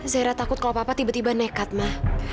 zaira takut kalau papa tiba tiba nekat ma